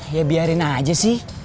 ya biarin aja sih